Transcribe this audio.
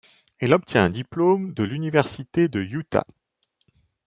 Elle obtient un diplôme de l'Université de Utah.